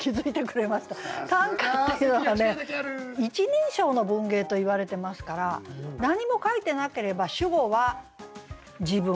１人称の文芸といわれてますから何も書いてなければ主語は「自分」。